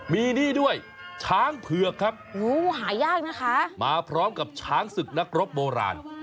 มีนี่ด้วยช้างเผือกครับหายากนะคะมาพร้อมกับช้างศึกนักรบโบราณ